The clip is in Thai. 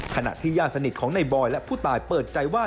ขณะที่ญาติสนิทของในบอยและผู้ตายเปิดใจว่า